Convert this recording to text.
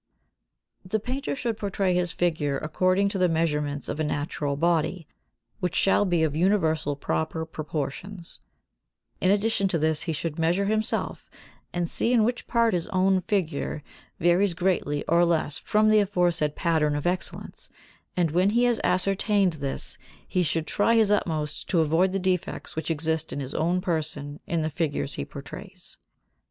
76. The painter should portray his figure according to the measurements of a natural body, which shall be of universal proper proportions; in addition to this he should measure himself and see in which part his own figure varies greatly or less from the aforesaid pattern of excellence, and when he has ascertained this he should try his utmost to avoid the defects which exist in his own person in the figures he portrays.